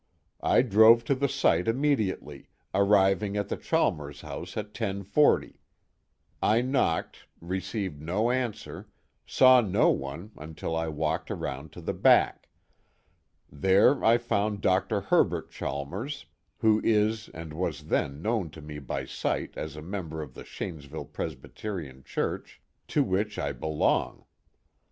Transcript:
I drove to the site immediately, arriving at the Chalmers house at 10:40. I knocked, received no answer, saw no one until I walked around to the back. There I found Dr. Herbert Chalmers, who is and was then known to me by sight as a member of the Shanesville Presbyterian Church, to which I belong.